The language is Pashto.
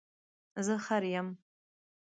زه خر یم